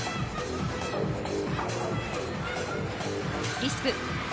リスク。